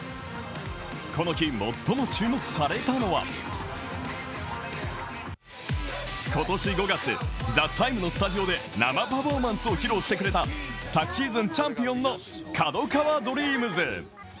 この日、最も注目されたのは今年５月、「ＴＨＥＴＩＭＥ，」のスタジオで生パフォーマンスを披露してくれた昨シーズンチャンピオンのＫＡＤＯＫＡＷＡＤＲＥＡＭＳ。